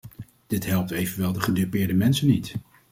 Dit helpt evenwel de gedupeerde mensen niet.